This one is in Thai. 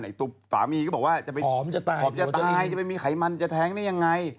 ไอ้ตุ๊บสามีก็บอกว่าหอมจะตายจะไม่มีไขมันจะแท้งได้ยังไง